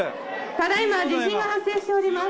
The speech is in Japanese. ただ今地震が発生しております。